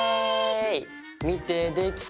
見てできた！